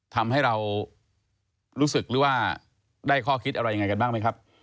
ทำให้เรารู้สึกหรือว่าได้ข้อคิดอะไรยังไงกันบ้างไหมครับ